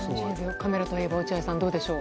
カメラといえば落合さんどうでしょう。